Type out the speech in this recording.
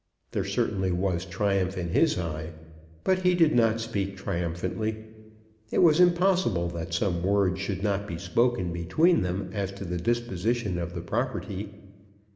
There certainly was triumph in his eye, but he did not speak triumphantly. It was impossible that some word should not be spoken between them as to the disposition of the property.